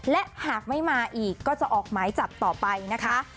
และหากไม่มาอีกก็จะออกหมายจับต่อไปนะคะ